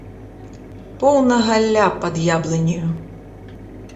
Поўна галля пад яблыняю.